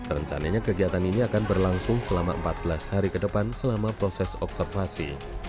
rencananya kegiatan ini akan berlangsung selama empat belas hari ke depan selama proses observasi